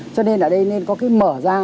cho nên ở đây nên có cái mở ra